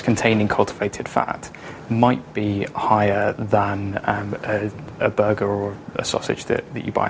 apa yang kita lakukan adalah melakukan secara efisien